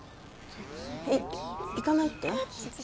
えっ、行かないって？